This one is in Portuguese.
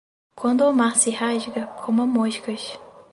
Quando o mar se rasga, coma moscas.